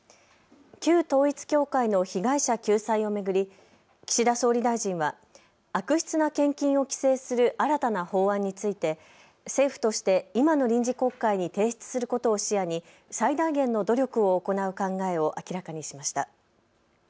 旧統一教会の被害者救済を巡り岸田総理大臣は悪質な献金を規制する新たな法案について政府として今の臨時国会に提出することを視野に最大限の努力を行う考えを明らかにしました。